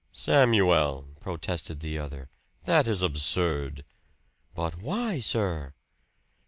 "Samuel!" protested the other. "That is absurd!" "But why, sir?"